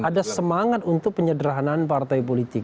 ada semangat untuk penyederhanaan partai politik